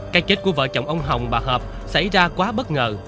cái chết của vợ chồng ông hồng bà hợp xảy ra quá bất ngờ